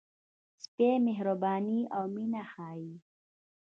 سپي مهرباني او مینه ښيي.